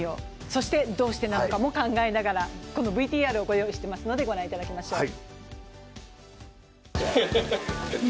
そして、どうしてなのかも考えながらＶＴＲをご用意してますので御覧いただきましょう。